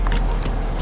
tante mau makan malam